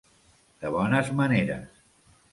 De bones maneres.